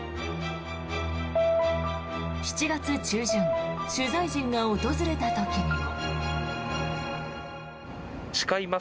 ７月中旬取材陣が訪れた時にも。